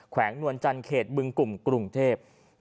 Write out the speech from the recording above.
วงนวลจันทร์เขตบึงกลุ่มกรุงเทพ